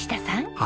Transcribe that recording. はい。